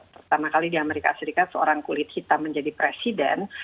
pertama kali di amerika serikat seorang kulit hitam menjadi presiden